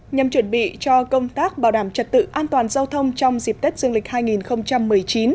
nhằm chuẩn bị cho công tác bảo đảm trật tự an toàn giao thông trong dịp tết dương lịch hai nghìn một mươi chín